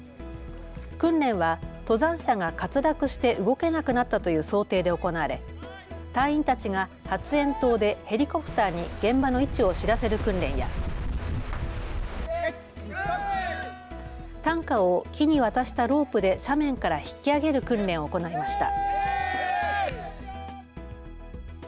訓練は登山者が滑落して動けなくなったという想定で行われ隊員たちが発煙筒でヘリコプターに現場の位置を知らせる訓練や担架を木に渡したロープで斜面から引き上げる訓練を行いました。